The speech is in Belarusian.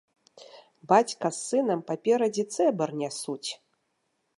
Бацька з сынам паперадзе цэбар нясуць.